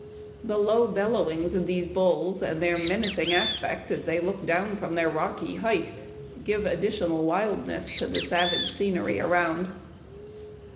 The low bellowings of these bulls, and their menacing aspect as they look down from their rocky height, give additional wildness to the savage scenery around."